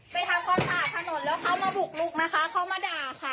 ทำความสะอาดถนนแล้วเขามาบุกลุกนะคะเขามาด่าค่ะ